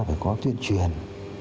phải có tuyên truyền